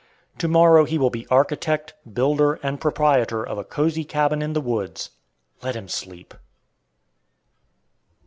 To morrow he will be architect, builder, and proprietor of a cosy cabin in the woods. Let him sleep.